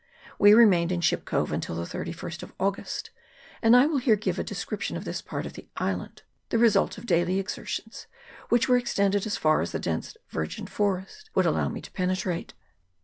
We remained in Ship Cove until the 31st of August; and I will here give a description of this part of the island, the result of daily excursions, which were extended as far as the dense virgin forest would allow me to penetrate.